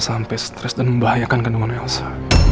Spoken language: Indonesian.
sampai stres dan membahayakan kedemuan elsa